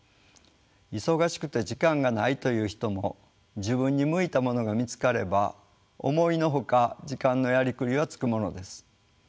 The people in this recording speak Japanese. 忙しくて時間がないという人も自分に向いたものが見つかれば思いの外時間のやりくりはつくものです。